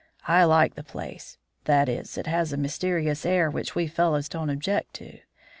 I like the place. That is, it has a mysterious air which we fellows don't object to.